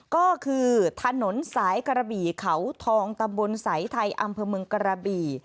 ก็คือถนนสายกระบี่เขาทองตำบลสายไทยอำเภอเมืองกระบี่